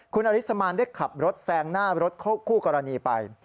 คุณอริสมานได้ขับรถแซงหน้ารถคู่กรณีไป